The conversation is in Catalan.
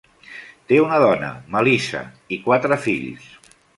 Té una dona, Melissa, i quatre fills.